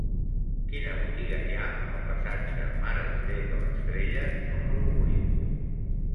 Quina botiga hi ha al passatge Mare de Déu de l'Estrella número vuit?